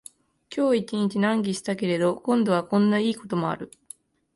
今日一日難儀したけれど、今度はこんないいこともある